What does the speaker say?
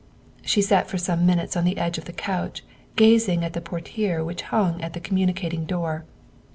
She sat for some minutes on the edge of the couch gazing at the portiere which hung at the communicating door.